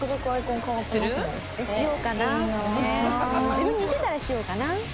自分に似てたらしようかな。